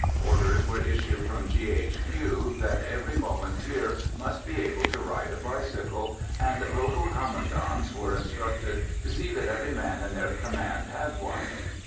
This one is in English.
Orders were issued from G.H.Q. that every Volunteer must be able to ride a bicycle, and local commandants were instructed to see that every man in their command had one.